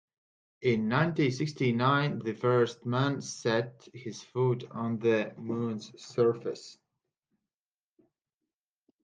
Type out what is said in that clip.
In nineteen-sixty-nine the first man set his foot onto the moon's surface.